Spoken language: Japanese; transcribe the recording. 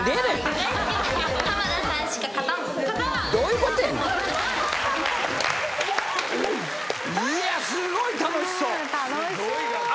いやすごい楽しそう。